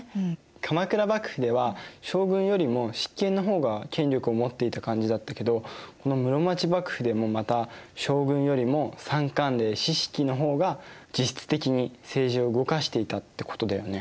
鎌倉幕府では将軍よりも執権の方が権力を持っていた感じだったけどこの室町幕府でもまた将軍よりも三管領・四職の方が実質的に政治を動かしていたってことだよね。